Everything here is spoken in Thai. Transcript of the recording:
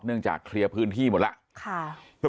เนื่องจากเคลียร์พื้นที่หมดแล้ว